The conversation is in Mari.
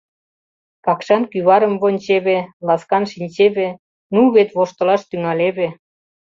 Какшан кӱварым вончеве, ласкан шинчеве — ну вет воштылаш тӱҥалеве.